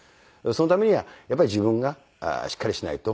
そのためには自分がしっかりしないと。